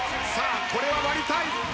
これは割りたい。